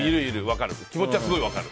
気持ちはすごい分かる。